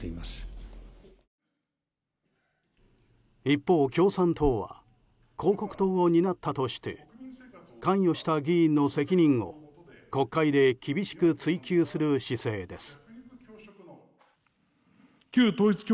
一方、共産党は広告塔を担ったとして関与した議員の責任を国会で厳しく追及する姿勢です。